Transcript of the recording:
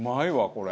これ。